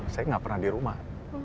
saya nggak pernah di rumah